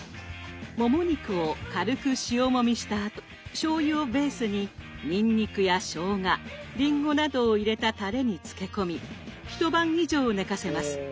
もも肉を軽く塩もみしたあとしょうゆをベースににんにくやしょうがりんごなどを入れたたれに漬け込み一晩以上寝かせます。